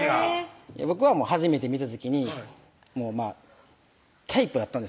僕は初めて見た時にもうタイプだったんです